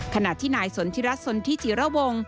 ขณะที่นายสนทิรัฐสนทิจิระวง